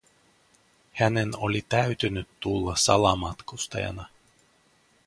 Hänen oli täytynyt tulla salamatkustajana.